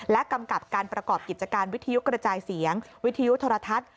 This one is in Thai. และกำกับการประกอบกิจการวิทยุกระจายเสียงวิทยุโทรทัศน์